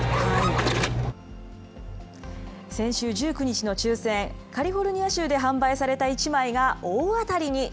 先週１９日の抽せん、カリフォルニア州で販売された１枚が大当たりに。